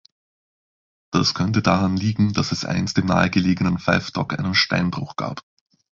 Das könnte daran liegen, dass es einst im nahe gelegenen Five Dock einen Steinbruch gab.